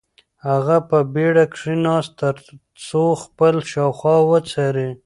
هغه په بېړه کښېناست ترڅو خپل شاوخوا وڅاري.